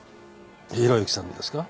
広行さんのですか？